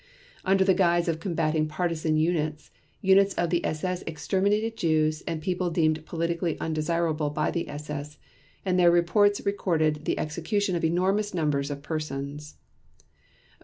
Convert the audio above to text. Under the guise of combatting partisan units, units of the SS exterminated Jews and people deemed politically undesirable by the SS, and their reports record the execution of enormous numbers of persons.